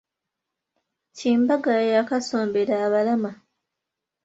Kimbagaya yakasombera abalama.